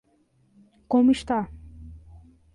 Como está?